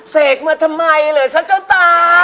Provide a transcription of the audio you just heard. เสกมาทำไมเหรอฉันเจ้าตา